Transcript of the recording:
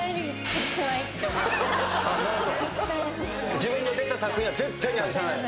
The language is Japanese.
自分の出た作品は絶対に外さない。